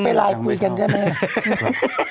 ไปไลน์คุยกันใช่ไหม